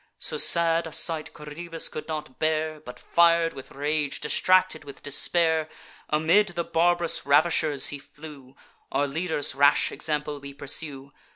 So sad a sight Coroebus could not bear; But, fir'd with rage, distracted with despair, Amid the barb'rous ravishers he flew: Our leader's rash example we pursue.